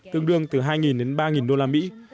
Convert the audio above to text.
tương đương từ hai đến ba đô la mỹ